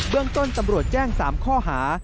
เรื่องต้นตำรวจแจ้ง๓ข้อหา